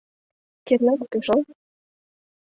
Кернак уке шол.